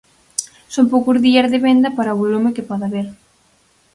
Son poucos días de venda para o volume que pode haber.